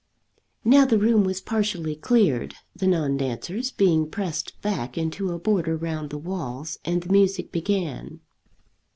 Now the room was partially cleared, the non dancers being pressed back into a border round the walls, and the music began.